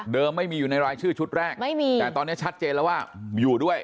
ไม่มีอยู่ในรายชื่อชุดแรกไม่มีแต่ตอนนี้ชัดเจนแล้วว่าอยู่ด้วย